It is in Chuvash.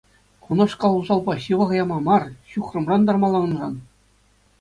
Кунашкал усалпа ҫывӑха яма мар, ҫухрӑмран тармалла унран.